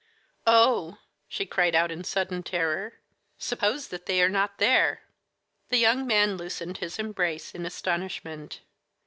"Oh," she cried out in sudden terror, "suppose that they are not there!" The young man loosened his embrace in astonishment.